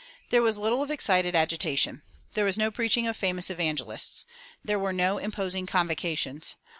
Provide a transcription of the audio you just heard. There was little of excited agitation. There was no preaching of famous evangelists. There were no imposing convocations.